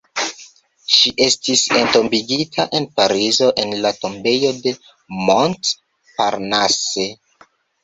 Ŝi estis entombigita en Parizo en la Tombejo de Montparnasse.